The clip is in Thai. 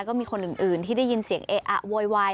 ก็มีคนอื่นที่ได้ยินเสียงเออะโวยวาย